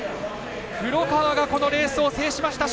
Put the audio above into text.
黒川が、このレースを制しました。